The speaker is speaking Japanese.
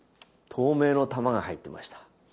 透明の玉が入ってました。